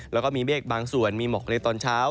แล้วก็มีเมฆบางส่วนมีหมอกในตอนเช้า